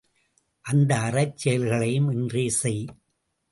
அந்த அறச்செயல்களையும் இன்றே செய்!